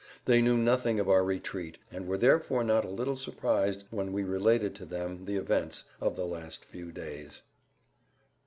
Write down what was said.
They knew nothing of our retreat and were therefore not a little surprised when we related to them the events of the last few days.